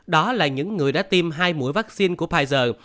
đó là những người đã tiêm hai mũi vaccine của pfizer